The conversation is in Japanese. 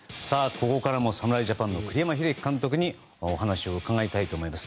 ここからも侍ジャパンの栗山英樹監督にお話を伺いたいと思います。